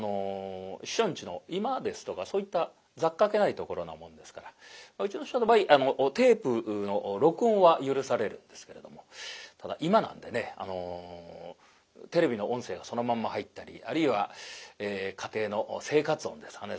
師匠んちの居間ですとかそういったざっかけないところなもんですからうちの師匠の場合テープの録音は許されるんですけれどもただ居間なんでねテレビの音声がそのまんま入ったりあるいは家庭の生活音ですかね